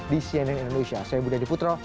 di cnn indonesia saya budi adiputro